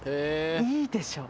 いいでしょ？